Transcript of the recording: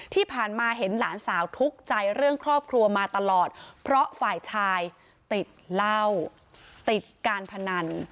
ที่ผ่านมาเห็นหลานสาวทุกข์ใจเรื่องครอบครัวมาตลอดเพราะฝ่ายชายติดเหล้าติดการพนัน